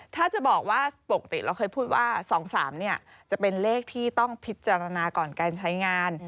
ถ้าจะบอกว่าปกติเราเคยพูดว่า๒๓จะเป็นเลขที่ต้องพิจารณาก่อนการใช้งาน